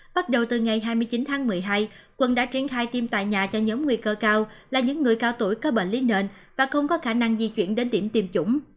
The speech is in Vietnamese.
bắt đầu từ ngày hai mươi chín tháng một mươi hai quận đã triển khai tiêm tại nhà cho nhóm nguy cơ cao là những người cao tuổi có bệnh lý nền và không có khả năng di chuyển đến điểm tiêm chủng